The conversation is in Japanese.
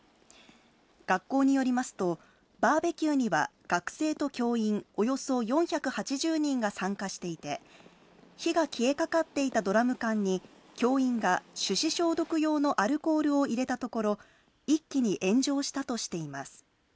学校によりますと、バーベキューには、学生と教員およそ４８０人が参加していて、火が消えかかっていたドラム缶に、教員が手指消毒用のアルコールを入れたところ、一気に炎上したとしています。